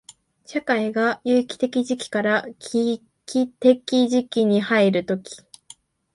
社会が有機的時期から危機的時期に入るとき、